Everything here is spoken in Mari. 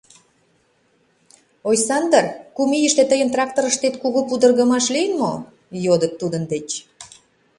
— Ойсандыр, кум ийыште тыйын тракторыштет кугу пудыргымаш лийын мо? — йодыт тудын деч.